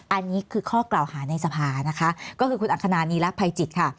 อันนี้คือข้อกล่าวหาในสภานะคะก็คือคุณอัคณานีรักภัยจิตค่ะ